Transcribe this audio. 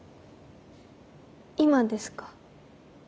今ですか？